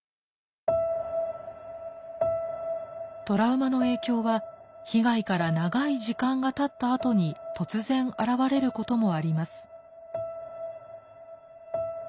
トラウマの影響は被害から長い時間がたったあとに突然現れることもあります。